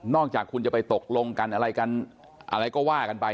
นอกจากคุณจะไปตกลงอะไรก็ว่ากันไป